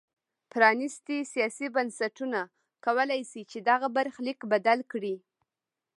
پرانیستي سیاسي بنسټونه کولای شي چې دغه برخلیک بدل کړي.